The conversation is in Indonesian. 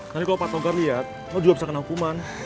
nanti kalau pak togar lihat kamu juga bisa kena hukuman